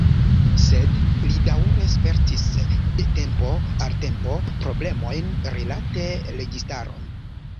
Sed li daŭre spertis, de tempo al tempo, problemojn rilate registaron.